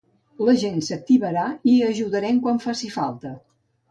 La gent s’activarà i hi ajudarem quan faci falta.